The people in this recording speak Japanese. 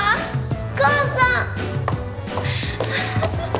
お母さん！